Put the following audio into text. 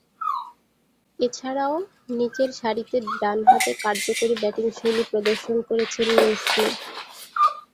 এছাড়াও, নিচেরসারিতে ডানহাতে কার্যকরী ব্যাটিংশৈলী প্রদর্শন করেছেন নীল স্মিথ।